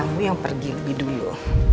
kamu yang pergi lebih dulu